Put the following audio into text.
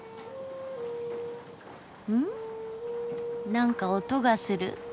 なんか音がする。